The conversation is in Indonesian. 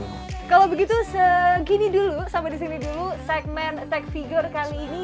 kalau begitu segini dulu sampai disini dulu segmen tech figure kali ini